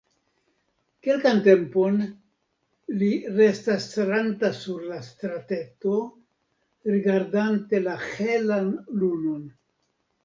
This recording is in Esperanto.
Kelkan tempon li restas staranta sur la strateto, rigardante la helan lunon.